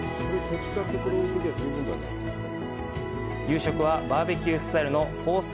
夕食は、バーベキュースタイルのコース